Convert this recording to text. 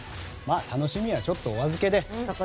楽しみはちょっとお預けで。